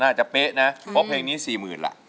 น่าจะเป๊ะนะเพราะเพลงนี้สี่หมื่นล่ะ